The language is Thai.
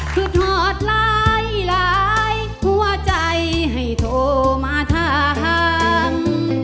คือถอดหลายหัวใจให้โทรมาทาง